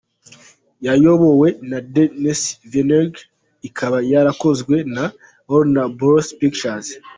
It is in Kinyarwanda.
Yayobowe na Denis Villeneuve ikaba yarakozwe na Warner Bros Pictures.